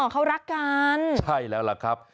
เขารักกันใช่แล้วล่ะครับ